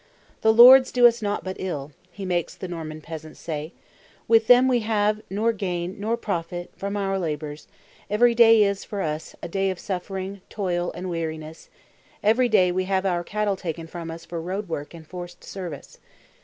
"The lords do us nought but ill," he makes the Norman peasants say; "with them we have nor gain nor profit from our labors; every day is, for us, a day of suffering, toil, and weariness; every day we have our cattle taken from us for road work and forced service.